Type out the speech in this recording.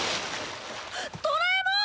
ドラえもん！